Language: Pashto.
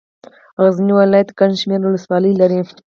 غزني ولايت ګڼ شمېر ولسوالۍ لري.